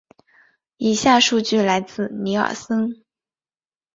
以下数据来自尼尔森。